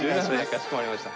かしこまりました。